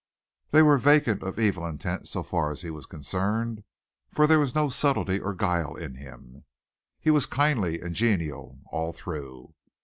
They were vacant of evil intent so far as he was concerned, for there was no subtlety or guile in him. He was kindly and genial all through.